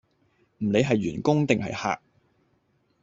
唔理係員工定係客